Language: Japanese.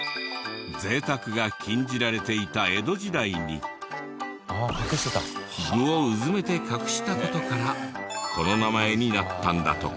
贅沢が禁じられていた江戸時代に具をうずめて隠した事からこの名前になったんだとか。